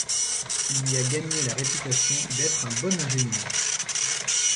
Il y a gagné la réputation d'être un bon ingénieur.